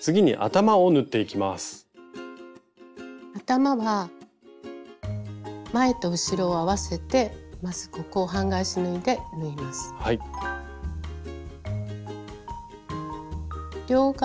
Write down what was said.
頭は前と後ろを合わせてまずここを半返し縫いで縫います。